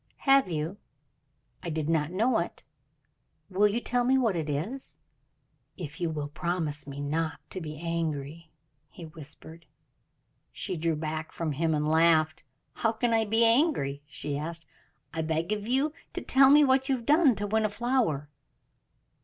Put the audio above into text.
"Have you? I did not know it. Will you tell me what it is?" "If you will promise me not to be angry," he whispered. She drew back from him and laughed. "How can I be angry?" she asked. "I beg of you to tell me what you have done to win a flower."